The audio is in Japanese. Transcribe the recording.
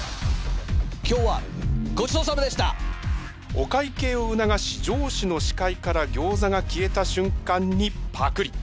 お会計を促し上司の視界からギョーザが消えた瞬間にパクリ！